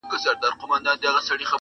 سيده حسينه ګل